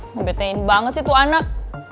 membetein banget sih tuh anak